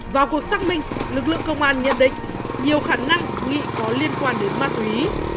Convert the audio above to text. vào cuộc xác minh lực lượng công an nhận định nhiều khả năng nghị có liên quan đến ma túy